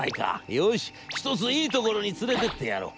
よしひとついいところに連れてってやろう』。